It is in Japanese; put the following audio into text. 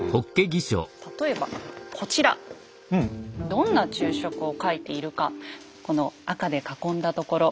どんな注釈を書いているかこの赤で囲んだところ。